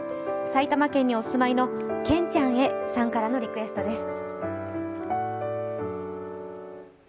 埼玉県にお住まいのけんちゃんへさんからのリクエストです。